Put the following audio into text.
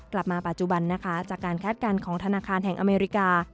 กลับมาปัจจุบันนะคะจากการแค้นการของธนาคารแห่งอเมริกา